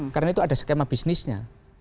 karena itu ada skema bisnisnya